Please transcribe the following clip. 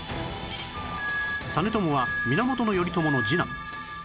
実朝は源頼朝の次男